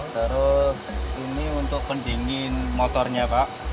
terus ini untuk pendingin motornya pak